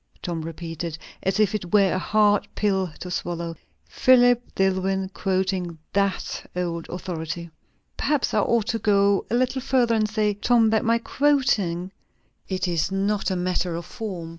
Tom repeated, as if it were a hard pill to swallow. "Philip Dillwyn quoting that old authority!" "Perhaps I ought to go a little further, and say, Tom, that my quoting it is not a matter of form.